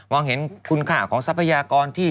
เห็นคุณค่าของทรัพยากรที่